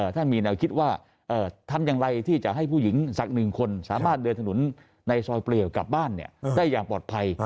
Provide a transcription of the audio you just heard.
ถ้ามีแนวคิดว่าทำอย่างไรที่จะให้ผู้หญิงสักหนึ่งคนสามารถเดินถนนในซอยเปลี่ยวกลับบ้านได้อย่างปลอดภัย